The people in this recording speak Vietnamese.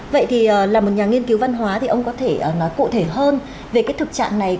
vậy thì là một nhà nghiên cứu văn hóa thì ông có thể nói cụ thể hơn về cái thực trạng này